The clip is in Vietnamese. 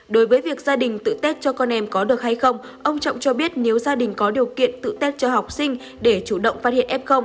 đối với việc gia đình tự tết cho con em có được hay không ông trọng cho biết nếu gia đình có điều kiện tự tết cho học sinh để chủ động phát hiện f